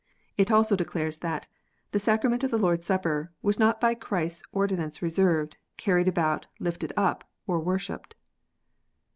It also declares that "the Sacrament of the Lord s Supper was not by Christ s ordinance reserved, carried about, lifted up, or worshipped."